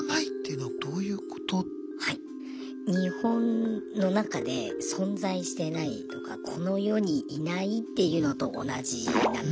はい日本の中で存在してないとかこの世にいないっていうのと同じなんですね